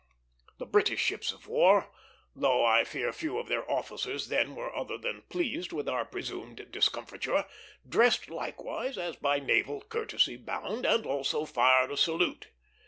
The British ships of war, though I fear few of their officers then were other than pleased with our presumed discomfiture, dressed likewise, as by naval courtesy bound, and also fired a salute.